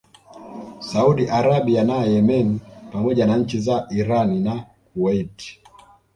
Saudi Arabia na Yemeni pamoja na nchi za Irani na Kuwait